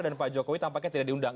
pak jokowi tampaknya tidak diundang